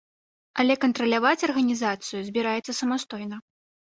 Але кантраляваць арганізацыю збіраецца самастойна.